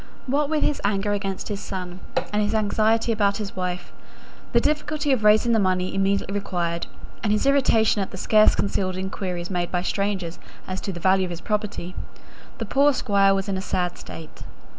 What with his anger against his son, and his anxiety about his wife; the difficulty of raising the money immediately required, and his irritation at the scarce concealed inquiries made by strangers as to the value of his property, the poor Squire was in a sad state.